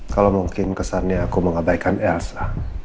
kalau mungkin kesannya aku mengabaikan ersa